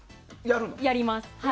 やります。